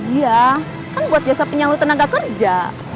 iya kan buat biasa penyeluh tenaga kerja